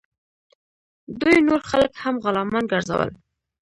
دوی نور خلک هم غلامان ګرځول.